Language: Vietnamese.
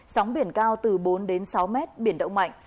sóng biển cao từ bốn đến sáu mét biển động mạnh